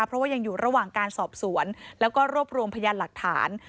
เพราะว่ายังอยู่ระหว่างการสอบสวนแล้วก็รวบรวมพยานหลักฐาน